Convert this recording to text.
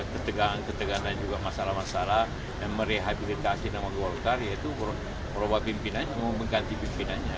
ketegangan juga masalah masalah yang merehabilitasi dengan golkar yaitu perubahan pimpinannya mengganti pimpinannya